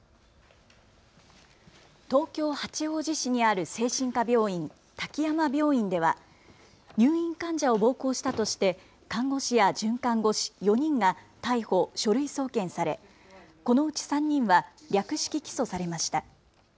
東京八王子市にある精神科病院、滝山病院では入院患者を暴行したとして看護師や准看護師４人が逮捕・書類送検されこのうち３人は略式起訴されました。